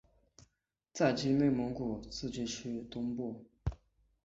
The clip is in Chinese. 在今内蒙古自治区东部。